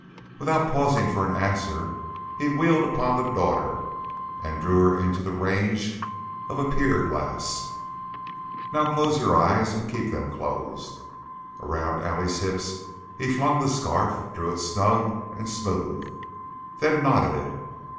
Without pausing for an answer, he wheeled upon the daughter and drew her into the range of a pier glass. "Now close your eyes and keep them closed." Around Allie's hips he flung the scarf, drew it snug and smooth, then knotted it.